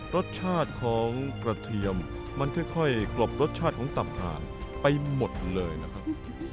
รสชาติของกระเทียมมันค่อยกลบรสชาติของตับทานไปหมดเลยนะครับ